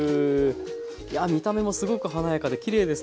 いや見た目もすごく華やかできれいですね。